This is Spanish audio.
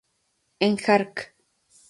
En "Hark!